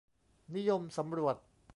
นิยมสำรวจ